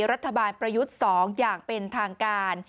รัฐบาลประยุทธ์๒อย่างเป็นทางการ